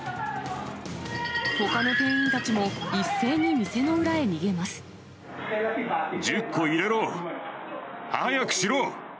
ほかの店員たちも、一斉に店１０個入れろ、早くしろ！